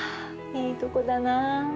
いいとこだな。